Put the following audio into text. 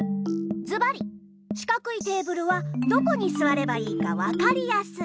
ズバリしかくいテーブルはどこにすわればいいかわかりやすい。